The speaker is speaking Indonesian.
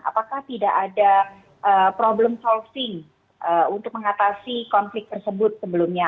apakah tidak ada problem solving untuk mengatasi konflik tersebut sebelumnya